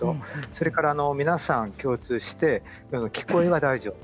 それから皆さん共通して聞こえは大丈夫、